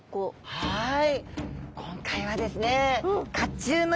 はい。